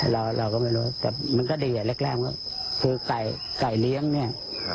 เราก็ไม่รู้แต่มันก็ดีอ่ะแรกก็คือไก่ไก่เลี้ยงเนี่ย